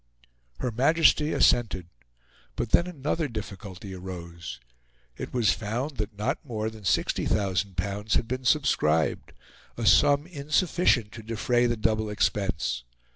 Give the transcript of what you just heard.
Her Majesty assented; but then another difficulty arose. It was found that not more than L60,000 had been subscribed a sum insufficient to defray the double expense.